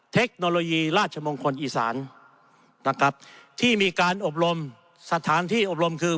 เทคโนโลยีราชมงคลอีสานนะครับที่มีการอบรมสถานที่อบรมคือ